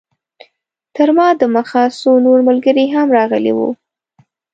تر ما د مخه څو نور ملګري هم راغلي وو.